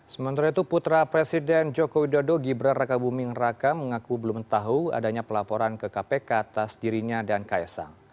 sementara itu putra presiden joko widodo gibran raka buming raka mengaku belum tahu adanya pelaporan ke kpk atas dirinya dan kaisang